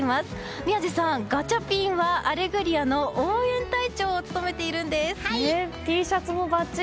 宮司さん、ガチャピンは「アレグリア」の応援隊長をＴシャツもばっちり！